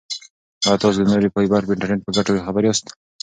ایا تاسو د نوري فایبر انټرنیټ په ګټو خبر یاست؟